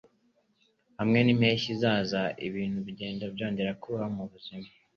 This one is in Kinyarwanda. Hamwe nimpeshyi izaza, ibintu byose bigenda byongera kubaho mubuzima.